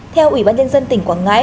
theo ủy ban nhân dân tỉnh quảng ngãi